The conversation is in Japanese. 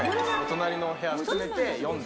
隣のお部屋含めて４台。